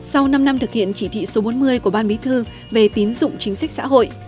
sau năm năm thực hiện chỉ thị số bốn mươi của ban bí thư về tín dụng chính sách xã hội